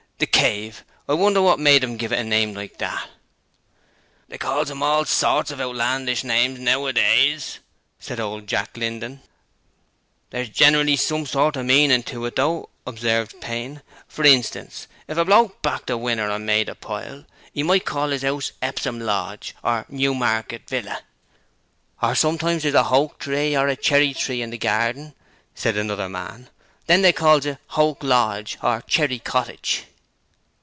'"The Cave." I wonder what made 'em give it a name like that.' 'They calls 'em all sorts of outlandish names nowadays,' said old Jack Linden. 'There's generally some sort of meaning to it, though,' observed Payne. 'For instance, if a bloke backed a winner and made a pile, 'e might call 'is 'ouse, "Epsom Lodge" or "Newmarket Villa".' 'Or sometimes there's a hoak tree or a cherry tree in the garding,' said another man; 'then they calls it "Hoak Lodge" or "Cherry Cottage".'